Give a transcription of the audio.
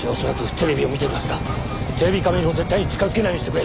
テレビカメラを絶対に近づけないようにしてくれ。